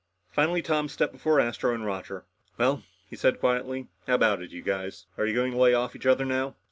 Finally Tom stepped before Astro and Roger. "Well," he said quietly, "how about it, you guys? Are you going to lay off each other now?"